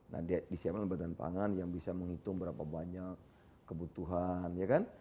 nah disiapkan badan pangan yang bisa menghitung berapa banyak kebutuhan ya kan